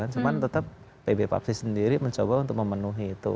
cuman tetap pb papsi sendiri mencoba untuk memenuhi itu